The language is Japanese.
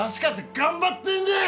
頑張ってんねん。